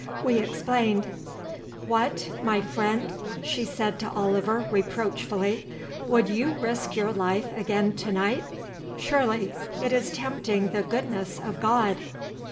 We explained. "What, my friend," she said to Oliver reproachfully, "would you risk your life again to night? Surely it is tempting the goodness of God."